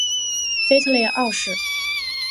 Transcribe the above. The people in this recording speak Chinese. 腓特烈二世。